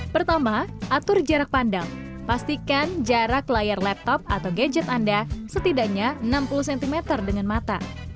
pertama atur jarak pandang pastikan jarak layar laptop atau gadget anda setidaknya enam puluh cm dengan mata